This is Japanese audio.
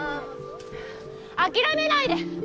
諦めないで！